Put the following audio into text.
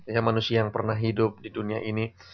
ya manusia yang pernah hidup di dunia ini